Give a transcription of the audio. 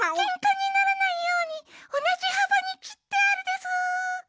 ケンカにならないようにおなじはばにきってあるでスー。